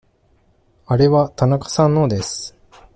あれは田中さんのです。